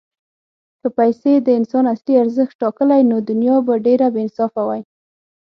که پیسې د انسان اصلي ارزښت ټاکلی، نو دنیا به ډېره بېانصافه وای.